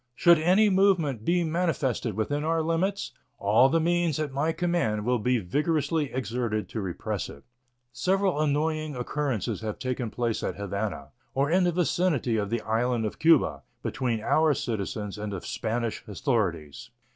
Should any movement be manifested within our limits, all the means at my command will be vigorously exerted to repress it. Several annoying occurrences have taken place at Havana, or in the vicinity of the island of Cuba, between our citizens and the Spanish authorities.